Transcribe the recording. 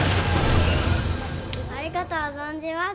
ありがとう存じます